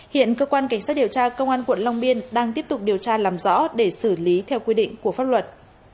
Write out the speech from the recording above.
hiện cơ quan cảnh sát điều tra công an quận long biên đang tiếp tục điều tra làm rõ để xử lý theo quy định của pháp luật